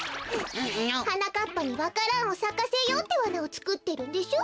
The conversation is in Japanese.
はなかっぱにわか蘭をさかせようってわなをつくってるんでしょう。